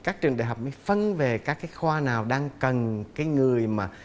các trường đại học mới phân về các cái khoa nào đang cần cái người mà